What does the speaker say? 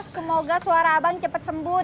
semoga suara abang cepat sembuh